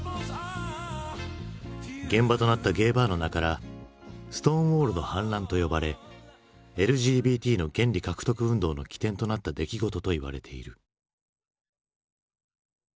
現場となったゲイバーの名から「ストーンウォールの反乱」と呼ばれＬＧＢＴの権利獲得運動の起点となった出来事といわれている。